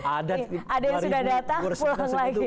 ada yang sudah datang pulang lagi